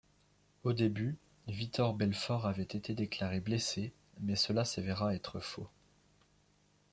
Au début Vitor Belfort avait été déclaré blessé, mais cela s'avéra être faux.